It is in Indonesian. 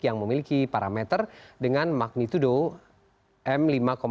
yang memiliki parameter dengan magnitudo m lima empat